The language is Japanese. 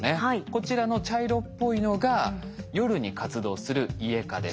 こちらの茶色っぽいのが夜に活動するイエカです。